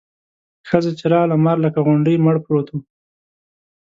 ښځه چې راغله مار لکه غونډی مړ پروت و.